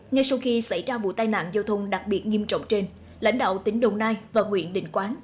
ngay sau khi xảy ra vụ tai nạn giao thông đặc biệt nghiêm trọng trên lãnh đạo tỉnh đồng nai và huyện định quán